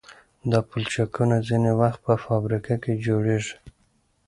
دا پلچکونه ځینې وخت په فابریکه کې جوړیږي